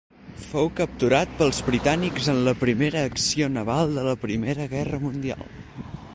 Fou capturat pels britànics en la primera acció naval de la Primera Guerra Mundial.